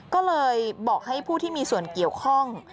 ก็เลยบอกให้ผู้ที่มีส่วนเกี่ยวข้อง